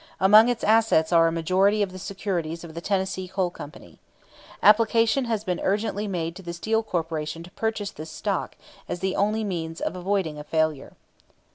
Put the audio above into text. Among its assets are a majority of the securities of the Tennessee Coal Company. Application has been urgently made to the Steel Corporation to purchase this stock as the only means of avoiding a failure.